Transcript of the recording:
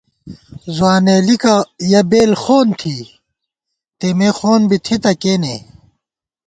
ځوانېلِکَنہ یَہ بېل خون تھی، تېمے خوند بی تھِتہ کېنے